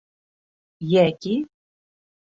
Йәки: